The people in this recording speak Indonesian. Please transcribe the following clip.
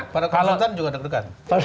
para konsultan juga deg degan